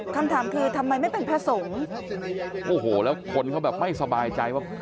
คำถามคือทำไมไม่เป็นพระสงฆ์โอ้โหแล้วคนเขาแบบไม่สบายใจว่า